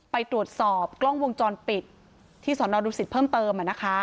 ไปตรวจสอบกล้องวงจรปิดที่สอนอดุสิตเพิ่มเติม